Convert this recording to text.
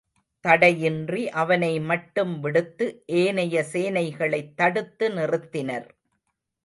தடையின்றி அவனை மட்டும் விடுத்து ஏனைய சேனைகளைத் தடுத்து நிறுத்தினர்.